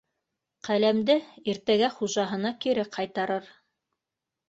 Ҡәләмде иртәгә хужаһына кире ҡайтарыр.